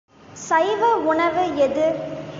சைவ உணவு எது?